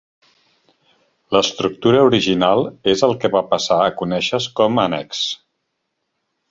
L'estructura original és el que va passar a conèixer-se com a annex.